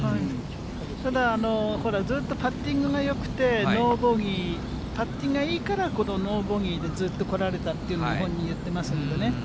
ただ、ずっとパッティングがよくて、ノーボギー、パッティングがいいから、このノーボギーでずっとこられたっていうのを、本人言ってますのでね。